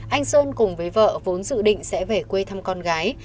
anh sơn cùng với vợ vốn dự định sẽ về quê thăm con gái